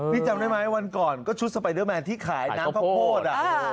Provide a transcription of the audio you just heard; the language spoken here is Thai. จำได้ไหมวันก่อนก็ชุดสไปเดอร์แมนที่ขายน้ำข้าวโพด